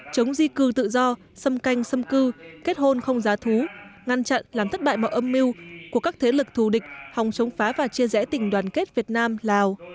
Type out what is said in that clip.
chống di cư tự do xâm canh xâm cư kết hôn không giá thú ngăn chặn làm thất bại mọi âm mưu của các thế lực thù địch hòng chống phá và chia rẽ tình đoàn kết việt nam lào